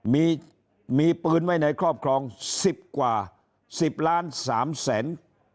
มีมีปืนไว้ในครอบครอง๑๐กว่า๑๐ล้าน๓แสน